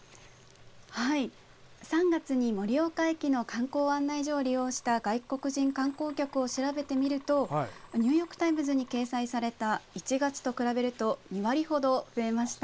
はい、３月に盛岡駅の観光案内所を利用した外国人観光客を調べてみるとニューヨーク・タイムズに掲載された１月と比べると２割ほど増えました。